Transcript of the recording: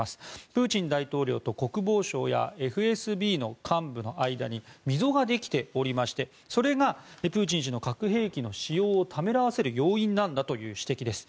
プーチン大統領と国防省やＦＳＢの幹部の間に溝ができておりまして、それがプーチン氏の核兵器の使用をためらわせる要因なんだという指摘です。